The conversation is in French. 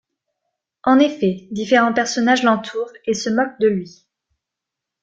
En effet, différents personnages l'entourent et se moquent de lui.